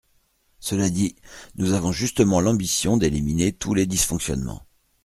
Cela dit, nous avons justement l’ambition d’éliminer tous les dysfonctionnements.